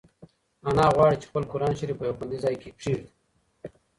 انا غواړي چې خپل قرانشریف په یو خوندي ځای کې کېږدي.